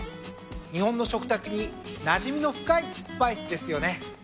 日本の食卓になじみの深いスパイスですよね。